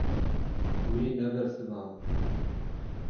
Wî nebersivand.